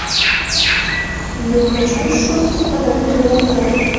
نو مجبور شو خپله لور يې ور کړه.